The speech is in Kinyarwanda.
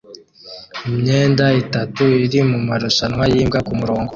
Imyenda itatu iri mumarushanwa yimbwa kumurongo